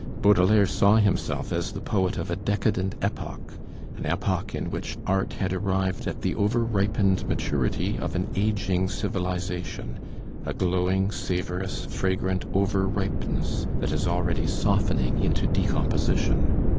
Baudelaire saw himself as the poet of a decadent epoch, an epoch in which art had arrived at the over ripened maturity of an aging civilization; a glowing, savorous, fragrant over ripeness, that is already softening into decomposition.